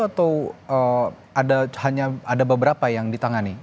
atau ada beberapa yang ditangani